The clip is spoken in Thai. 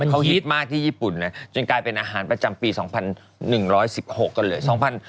เขาฮิตมากที่ญี่ปุ่นนะจนกลายเป็นอาหารประจำปี๒๑๑๖กันเลย